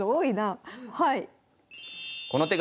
はい。